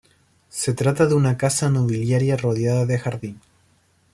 Se trata de una casa nobiliaria rodeada de jardín.